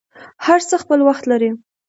هر څه خپل وخت لري.